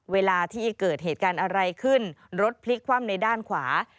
เวลาที่เกิดเหตุการณ์อะไรขึ้นรถพลิกคว่ำในด้านขวา